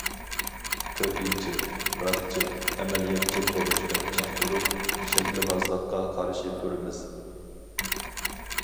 تۆتىنچى، راستچىل، ئەمەلىيەتچىل بولۇشتا چىڭ تۇرۇپ، شەكىلۋازلىققا قارشى تۇرىمىز.